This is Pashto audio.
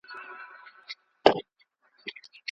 په دلیل او په منطق ښکلی انسان دی